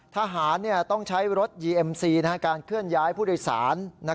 ทหารต้องใช้รถยีเอ็มซีการเคลื่อนย้ายผู้โดยสาร